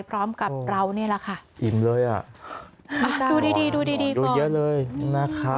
พร้อมกับเรานี่แหละค่ะอิ่มเลยอ่ะดูดีดูดีดีดูเยอะเลยนะคะ